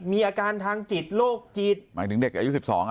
มีอาการทางจิตโรคจิตหมายถึงเด็กอายุ๑๒อ่ะ